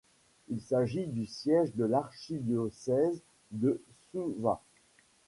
Il s'agit du siège de l'archidiocèse de Suva.